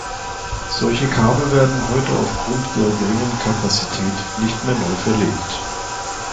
Solche Kabel werden heute auf Grund ihrer geringen Kapazität nicht mehr neu verlegt.